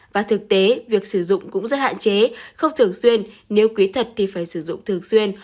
và thực tế việc sử dụng cũng rất hạn chế không thường xuyên nếu quý thật thì phải sử dụng thường xuyên